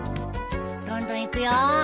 どんどんいくよ。